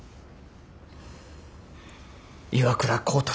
岩倉浩太さん